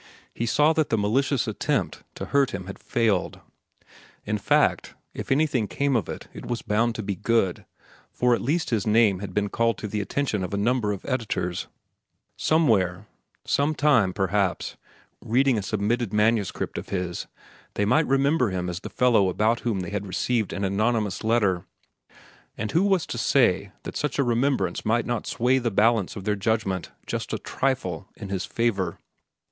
He saw that the malicious attempt to hurt him had failed. In fact, if anything came of it, it was bound to be good, for at least his name had been called to the attention of a number of editors. Sometime, perhaps, reading a submitted manuscript of his, they might remember him as the fellow about whom they had received an anonymous letter. And who was to say that such a remembrance might not sway the balance of their judgment just a trifle in his favor?